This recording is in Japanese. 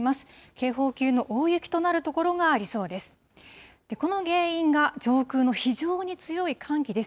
警報級の大雪となる所がありそうです。